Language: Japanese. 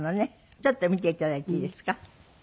ちょっと見ていただいていいですか？